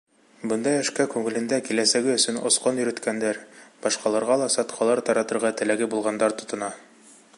Бындай эшкә күңелендә киләсәге өсөн осҡон йөрөткәндәр, башҡаларға ла сатҡылар таратырға теләге булғандар тотона.